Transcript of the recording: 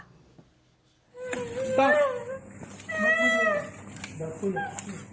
หนู